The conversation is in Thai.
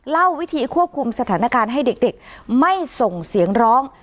เล่าวิธีควบคุมสถานการณ์ให้เด็กไม่ส่งเสียงร้อง